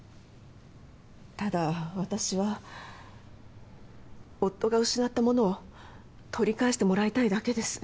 ただ私は夫が失ったものを取り返してもらいたいだけです。